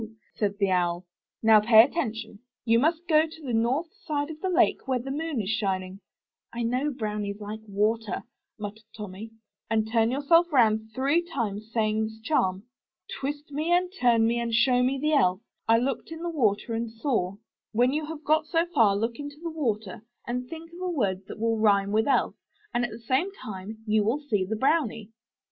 said the Owl. '*Now pay atten tion. You must go to the north side of the lake when the moon is shining — (/I know brownies like water,' muttered Tommy) — and turn yourself round three times, saying this charm: Twist me and turn me and show me the Elf — I looked in the water and saw —' When you have got so far look into the water, and think of a word that will rhyme with Elf, and at the same moment you will see the brownie."